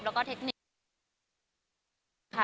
และก็เทคนิค